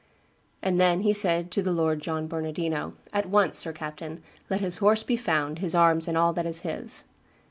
And then he said to the Lord John Bernardino, 'At once, Sir Captain, let his horse be found, his arms and all that is his.